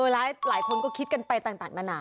หลายคนก็คิดกันไปต่างนานา